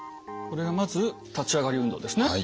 これはまず立ち上がり運動ですね。